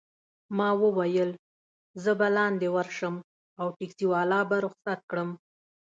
ما وویل: زه به لاندي ورشم او ټکسي والا به رخصت کړم.